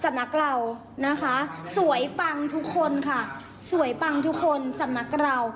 นักเรานะคะสวยปังทุกคนค่ะสวยปังทุกคนสำนักเรา